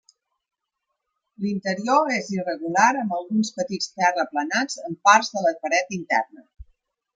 L'interior és irregular amb alguns petits terraplenats en parts de la paret interna.